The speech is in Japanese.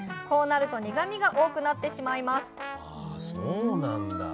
こうなると苦みが多くなってしまいます